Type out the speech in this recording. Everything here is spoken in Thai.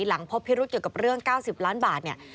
หลังพบพิรุษเกี่ยวกับเรื่อง๙๐ล้านบาทเนี่ย